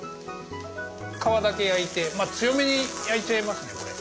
皮だけ焼いて強めに焼いちゃいますね。